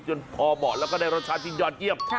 จนพอบอกแล้วก็ได้รสชาติดยอดเยี่ยม